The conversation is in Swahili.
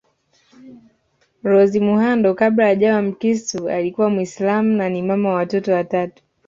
Rose Muhando kabla hajawa mkristo alikuwa Muislam na ni mama wa watoto watatu